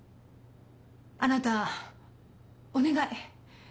あなたお願い。